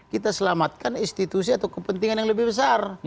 kita selamatkan institusi atau kepentingan yang lebih besar